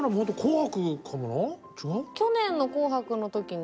去年の「紅白」の時に。